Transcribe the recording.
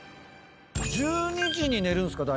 １２時に寝るんすか？